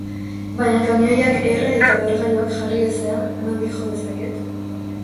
Baina kamioiak erre eta lehergailuak jarri ezean, nondik jo dezaket?